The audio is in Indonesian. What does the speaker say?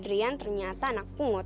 berarti adrian ternyata anak pungut